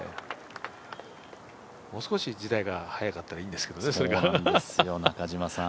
もう少し時代が早かったらいいんですけどね。